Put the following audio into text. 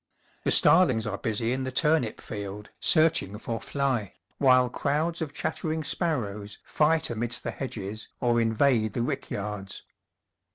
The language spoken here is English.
The starlings are busy in the turnip field searching for fly, while crowds of chattering sparrows fight amidst the hedges or invade the rick yards.